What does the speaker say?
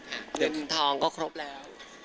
ค่ะมุ้งมิ้งทองก็ครบแล้ว